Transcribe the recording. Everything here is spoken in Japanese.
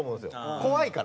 怖いから。